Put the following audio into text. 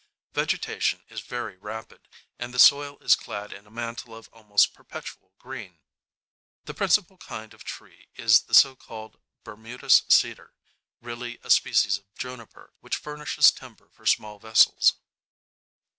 Vegetation is very rapid, and the soil is clad in a mantle of almost perpetual green. The principal kind of tree is the so called "Bermudas cedar," really a species of juniper, which furnishes timber for small vessels.